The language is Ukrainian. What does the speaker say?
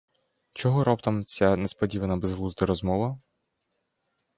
Чого раптом ця несподівана безглузда розмова?